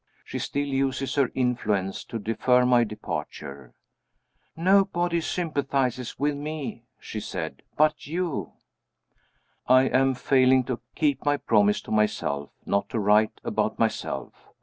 She still uses her influence to defer my departure. "Nobody sympathizes with me," she said, "but you." I am failing to keep my promise to myself, not to write about myself.